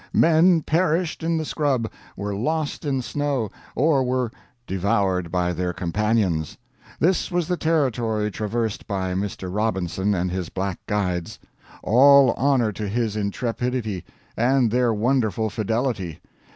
Men perished in the scrub, were lost in snow, or were devoured by their companions. This was the territory traversed by Mr. Robinson and his Black guides. All honor to his intrepidity, and their wonderful fidelity!